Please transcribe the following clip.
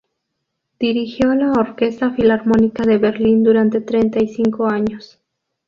Dirigió la Orquesta Filarmónica de Berlín durante treinta y cinco años.